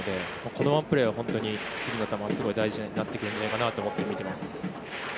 このワンプレーは本当に次の球すごい大事になってくるんじゃないかなと思って見ています。